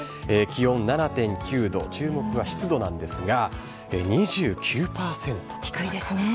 気温７．９度、注目は湿度なんですが、２９％と。